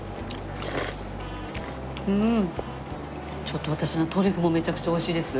ちょっと私のトリュフもめちゃくちゃおいしいです。